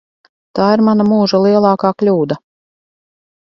Tā ir mana mūža lielākā kļūda.